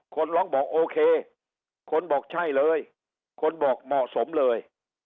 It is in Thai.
คนร้องบอกโอเคคนบอกใช่เลยคนบอกเหมาะสมเลย